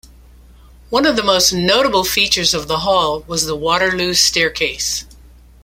One of the most notable features of the hall was the Waterloo Staircase.